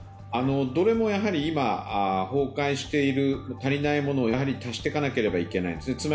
どれもやはり今崩壊している、足りないものを足していかないといけないですね。